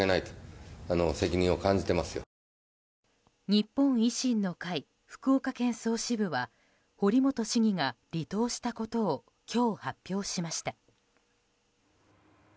日本維新の会福岡県総支部は堀本市議が離党したことを今日発表しました。